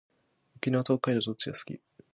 沖縄と北海道どっちが好き？